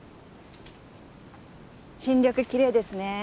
新緑きれいですね。